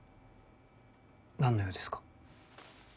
何の用ですか？